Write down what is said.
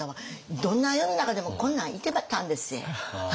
どんな世の中でもこんなんいてたんでっせ。